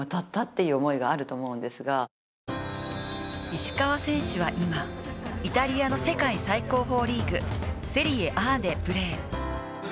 石川選手は今、イタリアの世界最高峰リーグ・セリエＡでプレー。